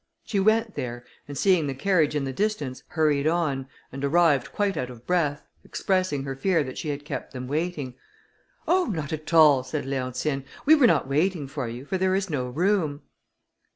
She went there, and seeing the carriage in the distance, hurried on, and arrived, quite out of breath, expressing her fear that she had kept them waiting. "Oh! not at all," said Leontine, "we were not waiting for you, for there is no room."